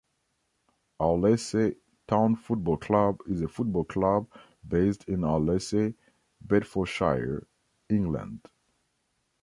Arlesey Town Football Club is a football club based in Arlesey, Bedfordshire, England.